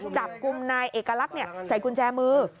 จับกลุ่มนายเอกลักษณ์ใส่กุญแจมือ